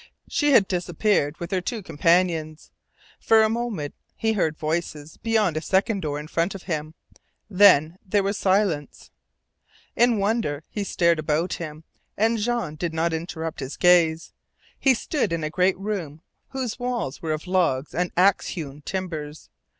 She had disappeared with her two companions. For a moment he heard voices beyond a second door in front of him. Then there was silence. In wonder he stared about him, and Jean did not interrupt his gaze. He stood in a great room whose walls were of logs and axe hewn timbers.